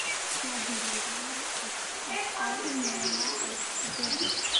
ცნობილია, რომ წყალი ნელა თბება.